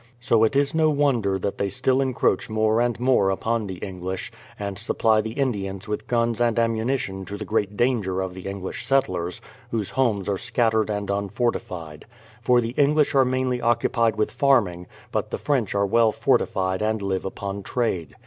So it is no wonder that they still encroach more and more upon the English, and supply the Indians with guns and ammunition to the great danger of the English settlers, whose homes are scattered and unfortified. For the English are mainly occupied with farming, but the French are well fortified and live upon trade.